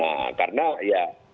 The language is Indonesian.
nah karena ya